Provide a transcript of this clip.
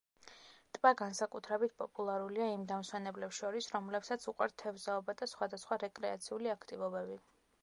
ტბა განსაკუთრებით პოპულარულია იმ დამსვენებლებს შორის, რომლებსაც უყვართ თევზაობა და სხვადასხვა რეკრეაციული აქტივობები.